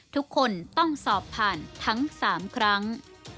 ทุกคนต้องสอบผ่านทั้ง๓ครั้ง